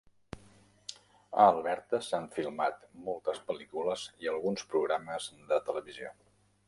A Alberta s'han filmat moltes pel·lícules i alguns programes de televisió.